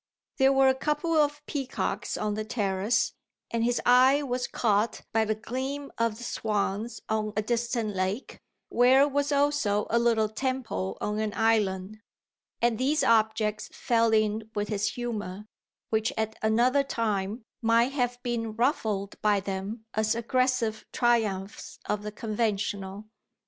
There were a couple of peacocks on the terrace, and his eye was caught by the gleam of the swans on a distant lake, where was also a little temple on an island; and these objects fell in with his humour, which at another time might have been ruffled by them as aggressive triumphs of the conventional.